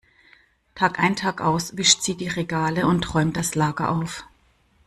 Tagein tagaus wischt sie die Regale und räumt das Lager auf.